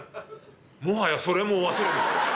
「もはやそれもお忘れで。